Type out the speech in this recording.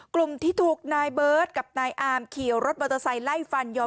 กลุ่มที่ถูกนายเบิร์ตกับนายอามขี่รถมอเตอร์ไซค์ไล่ฟันยอม